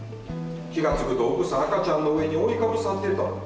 気が付くと奥さん赤ちゃんの上に覆いかぶさってた。